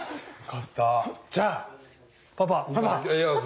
じゃあパパ！